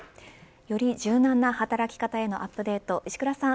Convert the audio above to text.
より柔軟な働き方へのアップデート石倉さん